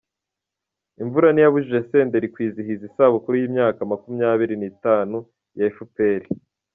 Imvura ntiyabujije Senderi kwizihiza isabukuru y’imyaka makumyabiri nitanu ya efuperi